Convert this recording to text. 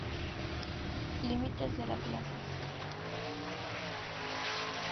Límites de la clase.